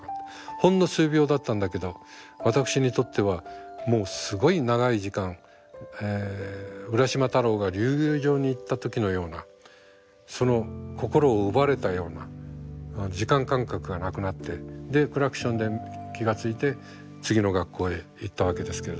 ほんの数秒だったんだけど私にとってはもうすごい長い時間浦島太郎が竜宮城に行った時のようなその心を奪われたような時間感覚がなくなってでクラクションで気が付いて次の学校へ行ったわけですけれども。